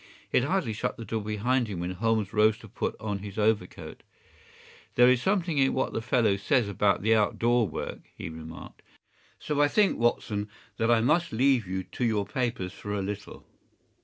He had hardly shut the door behind him when Holmes rose and put on his overcoat. “There is something in what the fellow says about out door work,” he remarked, “so I think, Watson, that I must leave you to your papers for a little.